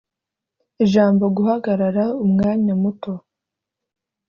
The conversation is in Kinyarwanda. Ijambo"guhagarara umwanya muto"